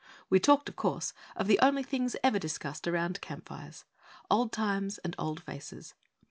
We talked, of course, of the only things ever discussed around camp fires old times and old faces.